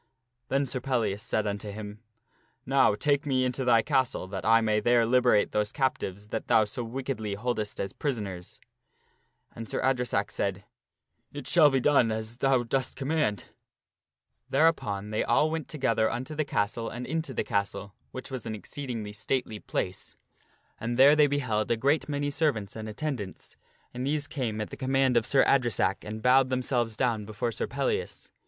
Then Sir Pel lias said unto him, " Now take me into thy castle that I may there liberate those captives that thou so wickedly holdest as prisoners/' And Sir Adre sack said, " It shall be done as thou dost command." Thereupon they all went together unto the castle and into the castle. 222 THE STORY OF SIR PELLIAS which was an exceedingly stately place. And there they beheld a great many servants and attendants, and these came at the command of Sir Adresack and bowed themselves down before Sir Pellias.